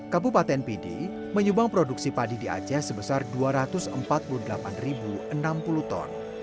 kabupaten pidi menyumbang produksi padi di aceh sebesar dua ratus empat puluh delapan enam puluh ton